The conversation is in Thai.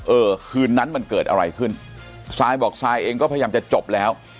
เออคืนนั้นมันเกิดอะไรขึ้นซายบอกซายเองก็พยายามจะจบแล้ว